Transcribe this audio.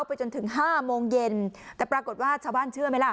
ไปจนถึงห้าโมงเย็นแต่ปรากฏว่าชาวบ้านเชื่อไหมล่ะ